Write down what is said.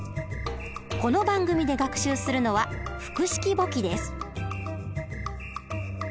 この番組で学習するのは複式簿記です。